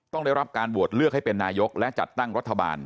ได้รับการโหวตเลือกให้เป็นนายกและจัดตั้งรัฐบาล